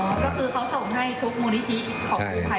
ก็คือเขาส่งให้ทุกมูลนิธิของกู้ภัย